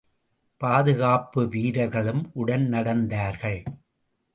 பாதுகாப்பு வீரர்களும் உடன் நடந்தார்கள்.